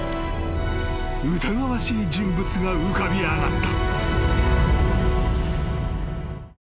［疑わしい人物が浮かび上がった］